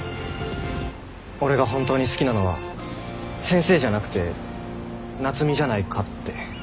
俺が本当に好きなのは先生じゃなくて夏海じゃないかって。